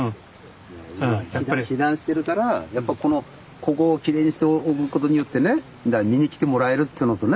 やっぱり避難してるからここをきれいにしておくことによってね見に来てもらえるっていうのとね